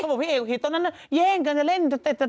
บอกว่าพี่เอกคิดตอนนั้นน่ะเยี่ยงกันจะเล่นคือแต๊ดจะตาย